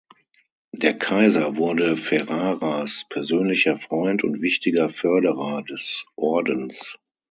Der Kaiser wurde Ferraras persönlicher Freund und wichtiger Förderer des Ordens.